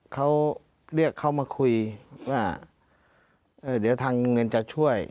เขาเรียกเขามาคุยว่าเออเดี๋ยวทางเงินจะช่วย